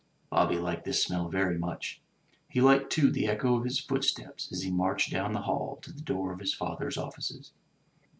Bobby liked this smell very much. He liked, too, the echo of his footsteps as he marched down the hall to the door of his father's offices.